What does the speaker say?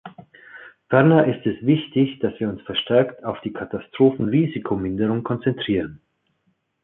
Ferner ist es wichtig, dass wir uns verstärkt auf die Katastrophenrisikominderung konzentrieren.